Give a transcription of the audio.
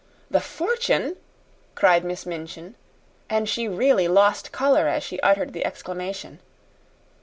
"The fortune!" cried Miss Minchin; and she really lost color as she uttered the exclamation.